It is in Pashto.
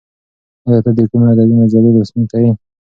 ایا ته د کوم ادبي مجلې لوستونکی یې؟